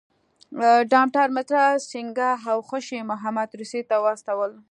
ډاکټر مترا سینګه او خوشي محمد روسیې ته واستول.